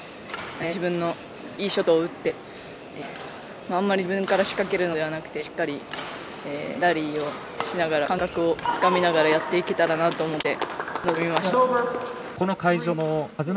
とりあえず、しっかり自分のいいショットを打ってあんまり自分から仕掛けるのではなくてしっかりラリーをしながら感覚をつかみながらやっていけたらなと思って臨みました。